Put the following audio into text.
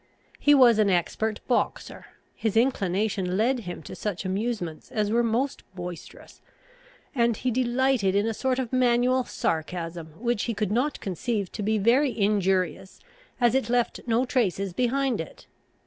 He was an expert boxer: his inclination led him to such amusements as were most boisterous; and he delighted in a sort of manual sarcasm, which he could not conceive to be very injurious, as it left no traces behind it.